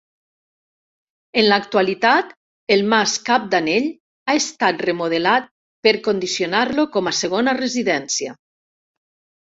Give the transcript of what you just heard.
En l'actualitat el mas Cap d'Anell ha estat remodelat per condicionar-lo com a segona residència.